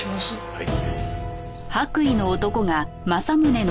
はい。